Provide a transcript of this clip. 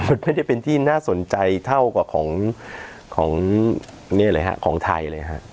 มันไม่ได้เป็นที่น่าสนใจเท่ากับของไทยเลยฮะ